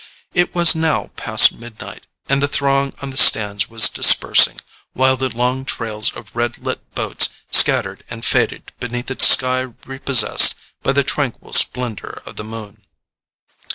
It was now past midnight, and the throng on the stands was dispersing, while the long trails of red lit boats scattered and faded beneath a sky repossessed by the tranquil splendour of the moon.